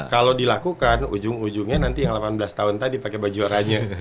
kalau dilakukan ujung ujungnya nanti yang delapan belas tahun tadi pakai baju oranya